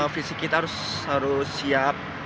fisik kita harus siap